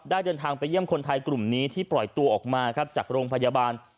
เดินทางไปเยี่ยมคนไทยกลุ่มนี้ที่ปล่อยตัวออกมาครับจากโรงพยาบาล